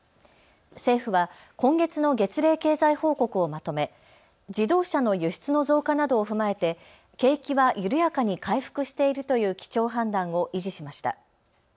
政府は今月の月例経済報告をまとめ、自動車の輸出の増加などを踏まえて景気は緩やかに回復しているという基調判断を維持しました。